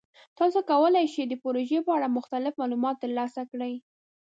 تاسو کولی شئ د پروژې په اړه مختلف معلومات ترلاسه کړئ.